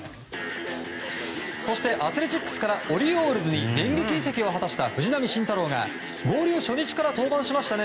そしてアスレチックスからオリオールズに電撃移籍を果たした藤浪晋太郎が合流初日から登板しましたね